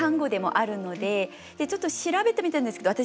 でちょっと調べてみたんですけど